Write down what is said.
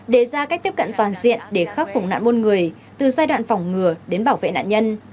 đề ra cách tiếp cận toàn diện để khắc phục nạn môn người từ giai đoạn phòng ngừa đến bảo vệ nạn nhân